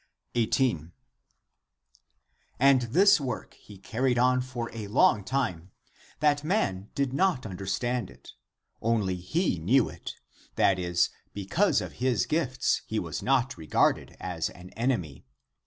18. "And this work he carried on for a long 214 THE APOCRYPHAL ACTS time, that man did not understand it; only he knew it ; that is, because of his gifts he was not regarded as an enemy.